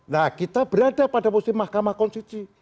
nah kita berada pada posisi mahkamah konstitusi